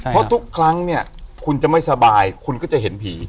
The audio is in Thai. เพราะทุกครั้งเนี่ยคุณจะไม่สบายคุณก็จะเห็นผี